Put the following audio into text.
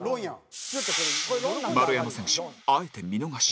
丸山選手あえて見逃し